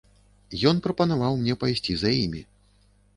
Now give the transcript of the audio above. Ён прапанаваў мне пайсці за імі.